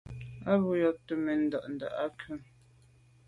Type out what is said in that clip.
A be ghubte mèn nda’nda’ à kwù.